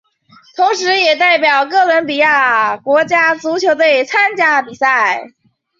同时也代表哥伦比亚国家足球队参加比赛。